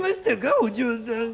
お嬢さん。